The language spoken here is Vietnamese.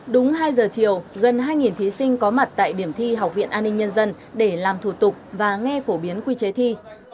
đúng hai giờ chiều gần hai thí sinh có mặt tại điểm thi học viện an ninh nhân dân để làm thủ tục và nghe phổ biến quy chế thi